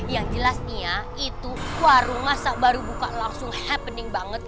yang jelas nih ya itu warung masa baru buka langsung happening banget